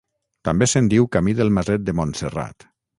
També se'n diu camí del Maset de Montserrat.